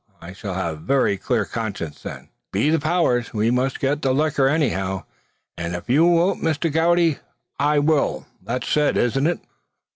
I sall have ver clear conscience then." "Be the powers! we must get the licker anyhow; av you won't, Misther Gowdey, I will; that's said, isn't it?"